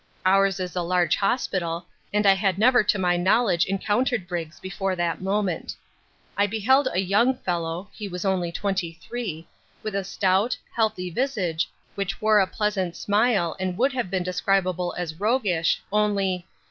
Ours is a large hospital, and I had never to my knowledge encountered Briggs before that moment. I beheld a young fellow (he was only twenty three) with a stout, healthy visage which wore a pleasant smile and would have been describable as roguish, only